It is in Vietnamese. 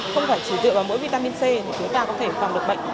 không phải chỉ dựa vào mỗi vitamin c thì chúng ta có thể phòng được bệnh